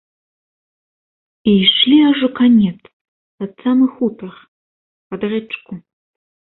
І ішлі аж у канец, пад самы хутар, пад рэчку.